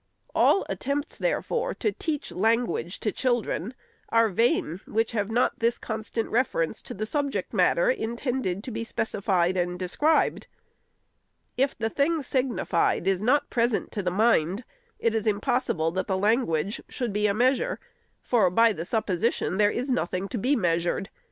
All attempts, therefore, to teach language to children, are vain, which have not this constant reference to the subject matter intended to be specified and described. If the thing signified is not present to the mind, it is impossible that the language should be a measure, for, by the supposition, there is nothing to be measured.